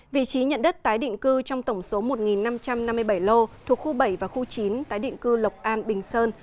vị trí nhận đất tái định cư trong tổng số một năm trăm năm mươi bảy lô thuộc khu bảy và khu chín tái định cư lộc an bình sơn